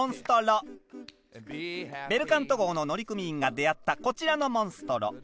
ベルカント号の乗組員が出会ったこちらのモンストロ。